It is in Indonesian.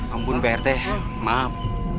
ampun pak rt maaf